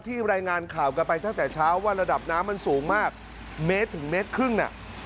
รายงานข่าวกันไปตั้งแต่เช้าว่าระดับน้ำมันสูงมากเมตรถึงเมตรครึ่งน่ะ